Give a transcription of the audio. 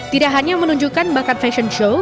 tidak hanya menunjukkan bakat fashion show